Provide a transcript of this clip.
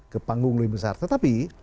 ke panggung lebih besar tetapi